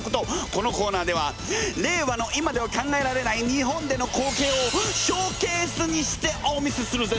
このコーナーでは令和の今では考えられない日本での光景をショーケースにしてお見せするぜ！